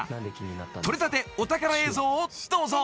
［とれたてお宝映像をどうぞ］